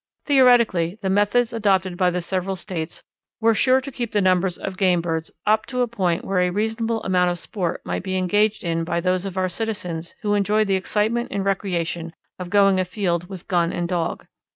Theoretically the methods adopted by the several states were sure to keep the numbers of game birds up to a point where a reasonable amount of sport might be engaged in by those of our citizens who enjoy the excitement and recreation of going afield with gun and dog.